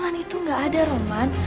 makanan itu gak ada roman